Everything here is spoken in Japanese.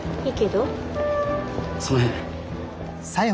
その辺。